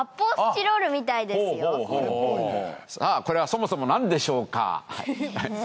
これはそもそもなんでしょうか。